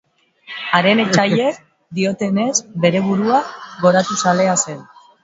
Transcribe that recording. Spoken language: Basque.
Haren etsaiek diotenez, bere burua goratu zalea zen.